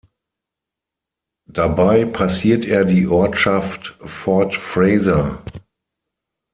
Dabei passiert er die Ortschaft Fort Fraser.